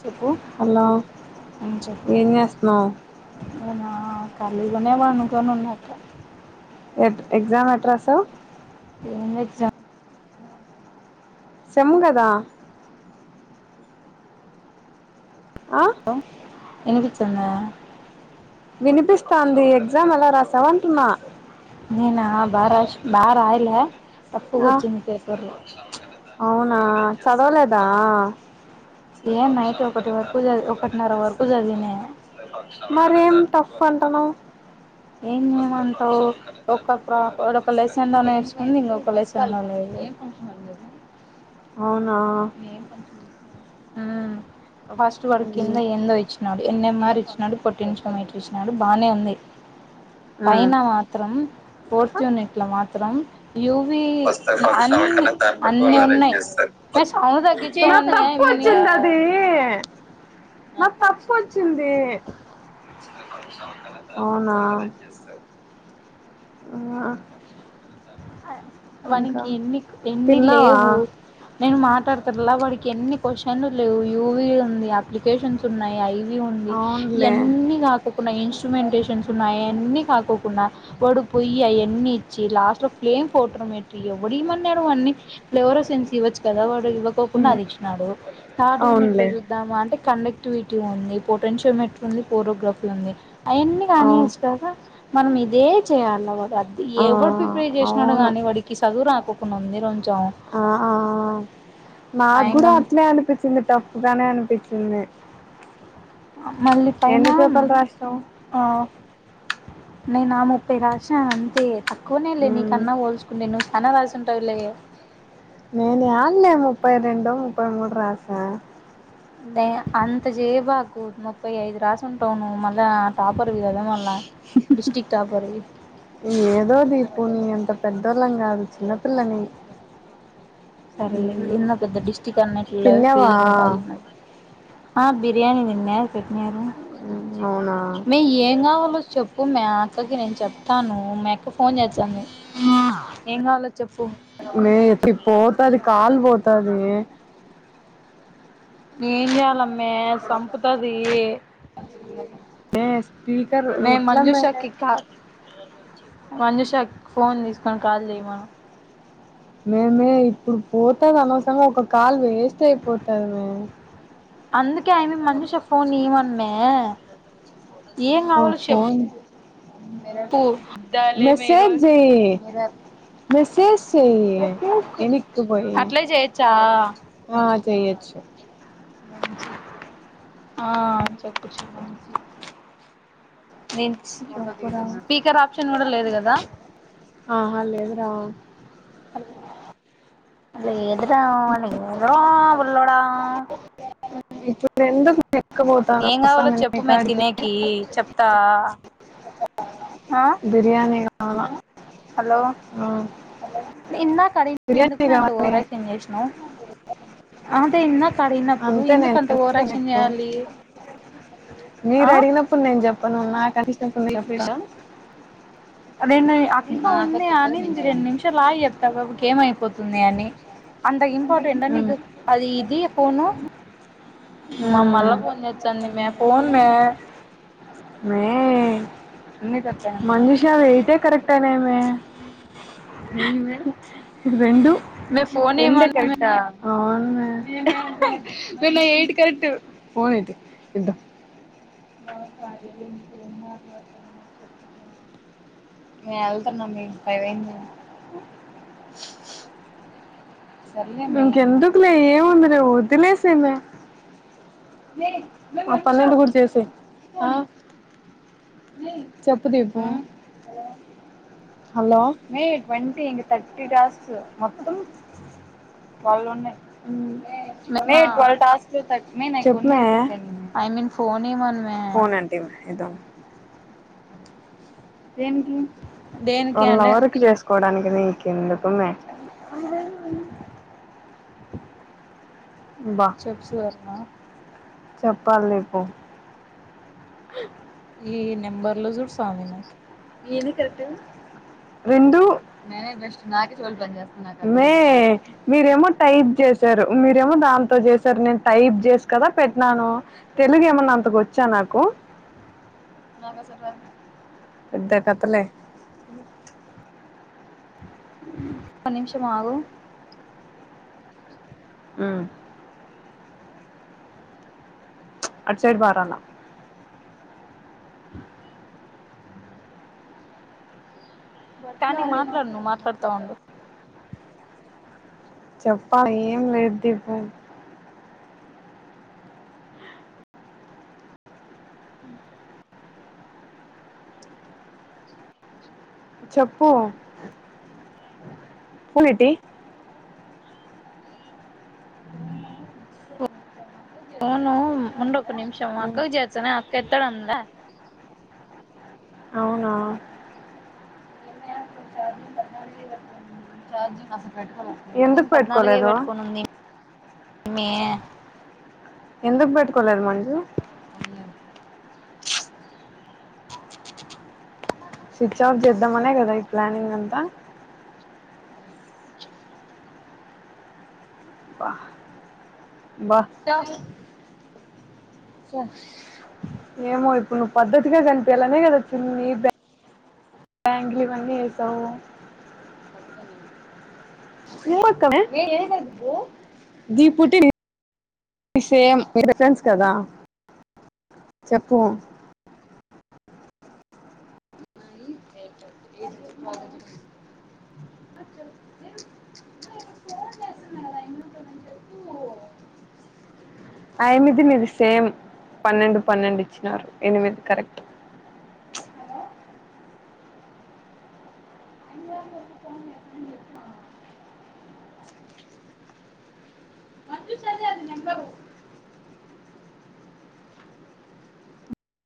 చెప్పు హలో [unintelligible] చెప్పు ఏం చేస్తున్నావ్ ఉనా కళ్ళులోనే పనుకొని ఉన్న ఎ ఎగ్జామ్ ఎట్రాసవ్ ఎం ఎగ్జామ్ [unintelligible] కదా ఆ హలో వినిపిస్తదా వినిపిస్తాంది ఎగ్జామ్ ఎలా రాసావంటున్నా నేను బాగ బాగా రాయలే [unintelligible] వచ్చింది పేపరు ఆ చదవలేద ఏ నైట్ ఒకటి వరకు చదివి ఒకటిన్నర వరకు చదివిన మరి ఏం అంటనవ్ ఏం చెయ్మంటావు ఒక ప్ర ఒక లెసన్ లో నేర్చుకుంది ఇంకొ అవునా ఆ ఫస్ట్ వాడు అయ్యో కింద ఏందో ఇచ్చినాడు ఎన్ఎంఆర్ ఇచ్చినాడు పొట్టిన్ంచోమీటర్ ఇచ్చినాడు బానే ఉంది పైన ఉమ్ మాత్రం ఫోర్త్ యూనిట్ లో మాత్రం యూవి అన్ని అన్ని ఉన్నాయి [unintelligible] చిన్నది నా తప్పు వచ్చింది అవునా ఎస్సై ఆ అ ఇంకా వానికి ఎన్ని ఎన్ని తిన్నావా లేవు నేను మాట్లాడతుల్లా వాడికెన్ని క్వశన్లు లెవు యూ వీ ఉంది అప్లికేషన్స్ ఉన్నాయి ఐ ఉంది అవునులే ఇయన్నీ కాకోకుండా ఇన్స్ట్రుమెంటేషన్స్ ఉన్నాయి అయన్నీ కాకోకుండా వడు పొయ్యి అయన్ని ఇచ్చి లాస్ట్లో ఏం ఫోట్రమెట్రీ ఎవ్వడీమన్నాడు వాన్నీ ఫ్లేవరో సెన్స్ ఇవ్వొచ్చు కదా వాడు ఇవ్వకోకుండా ఉమ్, అదిచ్చినాడు థార్డ్ యూనిట్ లో అవునులే జూద్దామ అంటే కండెక్టివిటీ పొటెన్షియో మెట్రుంది పోరోగ్రఫీ ఉంది అయన్నీ ఆ గానీయచ్చు గదా మనమిదే చెయ్యాల వాడు అద్ ఆ ఎవడు ప్రిపేర్ చేస్ అవును గాని వాడికి సదువు రాకోకుండా ఉంది రూంచం నాగ్గుడా అట్లే అనిపిచ్చింది టఫ్ గానే అనిపిచ్చింది మళ్ళి పైన పేపర్లు రాసినావ్ ఆ నేనా ముప్పై రాశ్నానంతే తక్కువనే లే నీకన్నా పోల్చుకుంటే నువ్వు సాన రాసుంటావు లేయే నేను యాన్నే ముప్పై రెండో ముప్పై మూడు రాస దే అంత చైబాకు ముప్పై ఐదు రాసుంటావు నువ్వు మళ్ళా టాప్ పర్విగద మల్ల డిస్టిక్ట్ టాపర్వి ఏదో దీపు నీ అంత పెద్దోళ్ళం గాదు చిన్నపిల్లని సరేలే ఉమ్, ఏన్న పెద్ద డిస్టక్ట్ అన్నట్లు లేవ్ తిన్నావా ఫీలింగ్ [inaudible] ఆబి బియాణి దిన్నే పెట్నారు అ మే ఏం గావాలో చెప్పు మే అక్కకి నేను చెప్తాను మీ అక్క ఫోన్ చేచ్చాంది ఏంగావ్లో మే ఎపడి పోతాది కాల్ బోతాది మే ఏం జెయాలమ్మే సంపుతది మేస్ మే మంజుషాకిి కా మంజుషాక్ ఫోన్ తీస్కోని కాల్ జెయ్ వ మేమే ఇప్పుడు పోతద్ అనవసరంగ ఒక కాల్ వేస్ట్ అయిపోతాది మే అందుకే ఆమె ఇంకా మంజుష రూంచేపు ఫోన్ కుచుదాం [inaudible] ఇయ్యమనమే ఏం గావాలో షెప్ మీరు మెసేజ్ జెయ్ మెసేజ్ సెయ్ ఎనిక్కిబొయ్ అట్లే చేయొచ్చా చెయచ్చు ఆ చెప్పు చెప్పు నేను స్పీకర్ ఆప్షన్ కూడా లేదు కదా ఆహా లేదు రా లేదు రా లేదురా బుల్లోడా ఇప్పుడెందుకు ఏం గావాలో చెప్పు మే తినేకి చెప్తా ఆ బిర్యాని కావల ఆ నిన్నా కడీ పొయ్ ఎందుకు బిర్యానీ మే అంత కావాలి ఓవరాక్షన్ చేష్నావు ఆ పే ఇందాక్ కడిగినప్పుడు అంతే నేను ఎందుకంత తెలుసు కదా ఓవరాక్షన్ నీకు జెయ్యాలి మీరు అడిగినప్పుడు నేన్ జెప్పను నాకంచినప్పుడు నేన్ చెప్తా అదేదది అక్క ఉంది అని రెండు నిమిషాలు ఆగి చెప్తా ఆ పాపకి ఏమైపోతుంది అని అంత ఇంపార్టెంట్ నికు అది ఇది పోను మా మళ్ళ ఫోన్ చేచ్చాంది మ ఫోన్ మే మే మనీషా ఎయిటే కరెక్టేనేమే రెండు మే ఫోన్ రెండే ఇయ్యమను కరెక్ట్ ఆ అవున్ మే వే నయి ఎయిట్ కరెక్ట్ ఫోని తి ఇద్ధం వ పారి ఫ నిను ఏళ్తున్న మ్మి ఫైవ్ ఆఇంది కదా ఇంకెందుకులే ఏముంది లే వద్దిలే సేయ్ మీ ఆ పనేండు కుడా చేసేయ్ చెప్పు దిీప హలో మే ట్వన్టీ ఇంకా తర్టీ టాస్క్ మొత్తం మెర్నా చెప్పు మీ ఆ యమ్మీని ఫోన్ ఇయ్యమను మే అంటే మే ఇదో దేనికి దేనికి వాళ్ళ అంటే లవ్ర్క్ చేసుకోవడానికి నీ కిందుకుమే బా చెెప్ సువర్ణ చెప్పాలి దీపు ఈ నెంబర్ లో చూడుస్వామి నాకి ఏది కర్రెక్ట్ రెండూ మే మీరేమో టైప్ చేశారు మీరేమో దాం తో చేసారు నేను టైప్ చేసి కదా పెట్నాను తెలుగు ఏమన్నా అంతగోచ్చా నాకు పెద్ద కతలే మ్ క్క నిమిషం ఆగు మ్ అడుసైడు బారలే కానీ మాట్లాడు నువ్వు మాట్లాడుతా ఉండు చెప్ప ఏం లేదు దీపు చెప్పు అ ఫోను ఉండు ఒక నిమిషం మ ఉమ్, అక్కకు చేసేనే అక్క ఎత్తడంలే అవునా చార్జంగ్ చార్జింగ్ కాస పెట్ పది పద్నాలుగే పెట్టుకోనుంది అమ్మి ఎందుకు పెట్టుకోలేదు మంజు స్విచ్ ఆఫ్ చేద్దామనే కదా ఈ ప్లానింగ్ అంతా అబ్బ స ఏమో ఇప్పుడు నువ్వు పద్ధతిగా కనిపేయలానే కదా చున్ని బ్యా బ్యాంగిల్ ఇవన్నీ ఏసావ్ దీపుటి సేమ్ మీరు ఫ్రెండ్స్ కదా చెప్పు మ ఆ యమ్మిది నిది సేమ్ పన్నెండు పన్నెండు ఇచ్చినారు ఎనిమిది కరెక్ట్ హలో